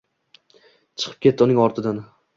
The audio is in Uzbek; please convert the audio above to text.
Chiqib ketdi, uning ortidan